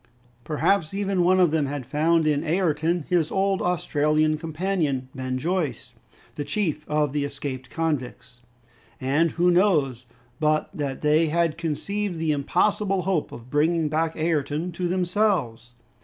Perhaps, even, one of them had found in Ayrton his old Australian companion Ben Joyce, the chief of the escaped convicts. And who knows but that they had conceived the impossible hope of bringing back Ayrton to themselves?